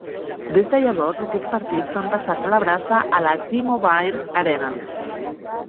Des de llavors, aquests partits van passar a celebrar-se a la T-Mobile Arena.